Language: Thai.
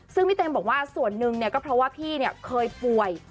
ซึ่งพี่เต็มบอกว่าส่วนหนึ่งก็เพราะว่าพี่เคยป่วย